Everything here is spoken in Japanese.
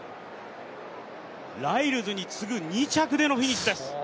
ライルズに次ぐ２着でのフィニッシュです。